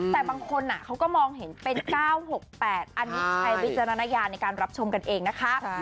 แต่บางคนเขาก็มองเห็นเป็น๙๖๘อันนี้ใช้วิจารณญาณในการรับชมกันเองนะคะ